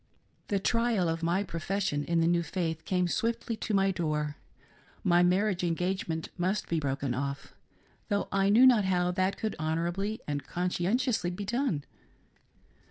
The trial of my profession in the new faith came swiftly to my door. My marriage engagement must be broken off, though I knew not how that could honorably and conscien tiously be done.